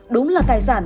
đúng là tài sản